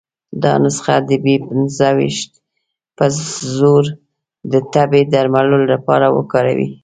دا نسخه د بي پنځه ویشت په زور د تبې درملو لپاره وکاروي.